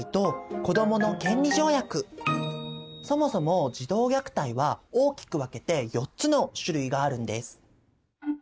そもそも児童虐待は大きく分けて４つの種類があるんです。